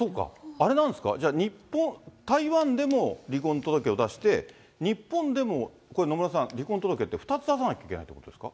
あれなんですか、じゃあ、台湾でも離婚届を出して、日本でも、野村さん、離婚届って２つ出さなきゃいけないということですか。